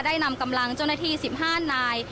นำกำลังเจ้าหน้าที่๑๕นาย